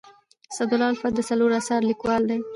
اسدالله الفت د څلورو اثارو لیکوال دی.